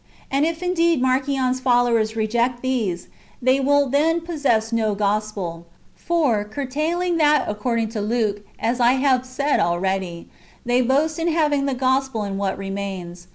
And if indeed Marcion' s followers reject these, they will then pos sess no Gospel ; for, curtailing that according to Luke, as I have said already, they boast in having the Gospel [in v/hat remains].